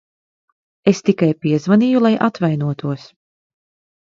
Es tikai piezvanīju, lai atvainotos.